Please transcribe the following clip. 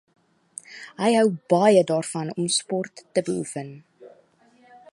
Hy hou baie daarvan om sport te beoefen